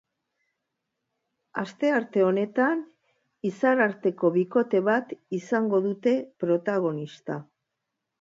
Astearte honetan, izarrarteko bikote bat izango dute protagonista.